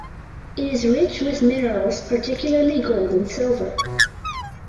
It is rich with minerals (particularly gold and silver).